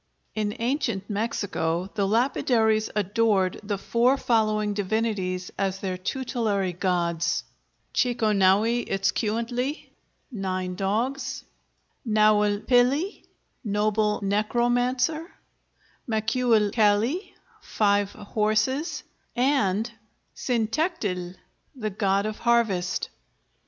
In ancient Mexico the lapidaries adored the four following divinities as their tutelary gods: Chiconaui Itzcuintli ("nine dogs"), Naualpilli ("noble necromancer"), Macuilcalli ("five horses"), and Cintectl ("the god of harvest").